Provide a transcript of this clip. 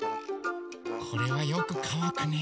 これはよくかわくね。